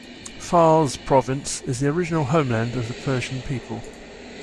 Fars Province is the original homeland of the Persian people.